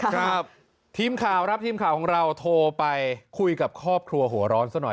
ครับทีมข่าวครับทีมข่าวของเราโทรไปคุยกับครอบครัวหัวร้อนซะหน่อย